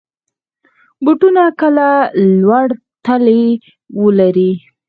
بوټونه کله لوړ تلي ولري.